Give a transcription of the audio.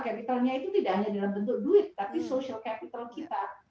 capitalnya itu tidak hanya dalam bentuk duit tapi social capital kita